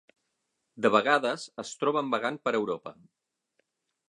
De vegades es troben vagant per Europa.